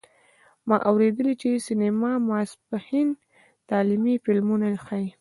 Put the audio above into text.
ما اوریدلي چې سینما ماسپښین تعلیمي فلمونه ښیې